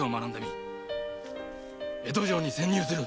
江戸城に潜入する！